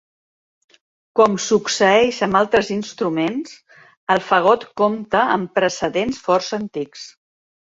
Com succeeix amb altres instruments, el fagot compta amb precedents força antics.